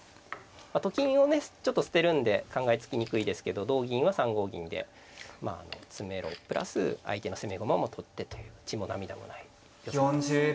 と金をねちょっと捨てるんで考えつきにくいですけど同銀は３五銀で詰めろプラス相手の攻め駒を取ってという血も涙もない寄せです。